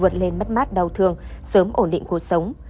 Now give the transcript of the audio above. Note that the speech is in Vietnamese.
vượt lên mất mát đau thương sớm ổn định cuộc sống